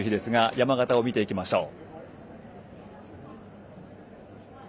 山型を見ていきましょう。